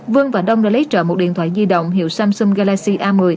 vương và đông đã lấy trộm một điện thoại di động hiệu samsung galaxy a một mươi